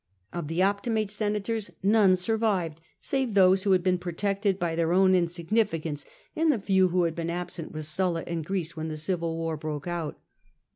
Of the Optimate senators none survived, save those who had been protected by their own insignificance, and the few who had been absent with Sulla in Greece when the civil war broke out.